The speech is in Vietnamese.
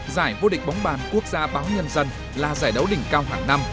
giải vô địch bóng bàn quốc gia báo nhân dân là giải đấu đỉnh cao hàng năm